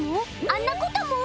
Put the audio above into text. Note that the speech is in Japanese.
あんなことも？